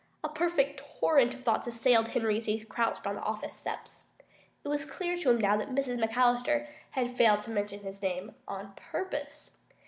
A perfect torrent of thoughts assailed Henry as he sat crouched on the office steps. It was clear to him now that Mrs. McAllister had failed to mention his name on purpose.